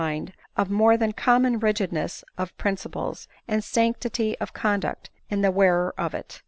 mind, of more than common rigidness of principles and sanctity of conduct in the wearer of it.